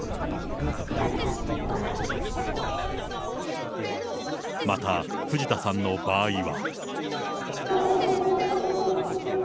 見てて屋だなっていうのは、また、藤田さんの場合は。